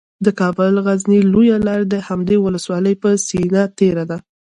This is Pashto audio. د کابل غزني لویه لاره د همدې ولسوالۍ په سینه تیره ده